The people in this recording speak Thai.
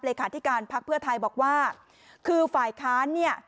ที่การพักเพื่อไทยบอกว่าคือฝ่ายค้านเนี่ย